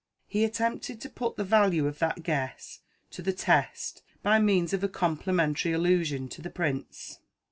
He attempted to put the value of that guess to the test by means of a complimentary allusion to the prints.